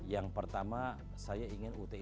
yang pertama saya ingin ut